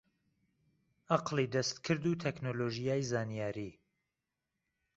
عەقڵی دەستکرد و تەکنۆلۆژیای زانیاری